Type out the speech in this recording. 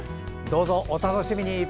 どうぞお楽しみに。